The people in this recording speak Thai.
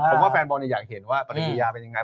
ผมว่าแฟนบอลอยากเห็นว่าปฏิกิริยาเป็นยังไง